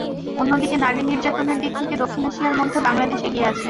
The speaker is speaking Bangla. অন্যদিকে নারী নির্যাতনের দিক থেকে দক্ষিণ এশিয়ার মধ্যে বাংলাদেশ এগিয়ে আছে।